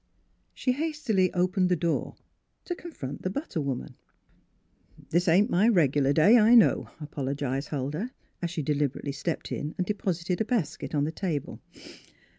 She hastily opened the door, to con front the butter woman. " This ain't my regular day, I know," apologised Huldah, as she deliberately stepped in and deposited a basket on the table.